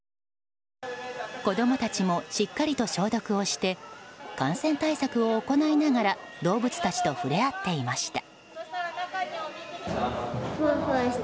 子供たちもしっかりと消毒をして感染対策を行いながら動物たちと触れ合っていました。